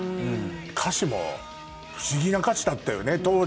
歌詞も不思議な歌詞だったよね当時。